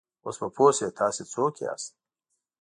اوس به پوه شې، تاسې څوک یاست؟